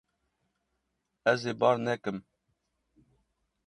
Ez ê bar nekim.